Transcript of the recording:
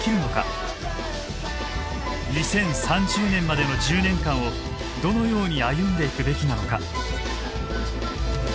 ２０３０年までの１０年間をどのように歩んでいくべきなのか。